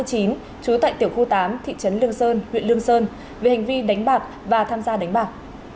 trú tại tiểu khu tám thị trấn lương sơn huyện lương sơn về hành vi đánh bạc và tham gia đánh bạc